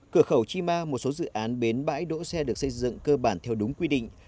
cửa khẩu chi ma một số dự án bến bãi đỗ xe được xây dựng cơ bản theo đúng quy định